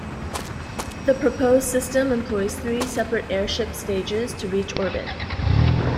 The proposed system employs three separate airship stages to reach orbit.